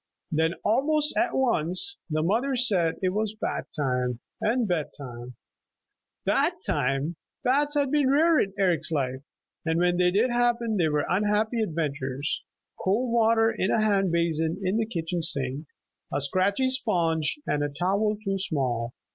Then almost at once the mother said it was bath time and bed time. Bath time! Baths had been rare in Eric's life, and when they did happen were unhappy adventures, cold water in a hand basin in the kitchen sink, a scratchy sponge, and a towel too small.